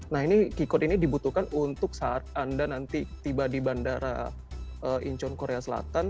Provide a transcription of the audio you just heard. nah ini key court ini dibutuhkan untuk saat anda nanti tiba di bandara incheon korea selatan